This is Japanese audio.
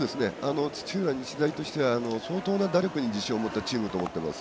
土浦日大としては相当、打力に自信を持ったチームと思ってます。